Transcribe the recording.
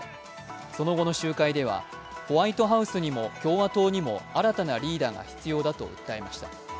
その後の集会ではホワイトハウスにも共和党にも新たなリーダーが必要だと訴えました。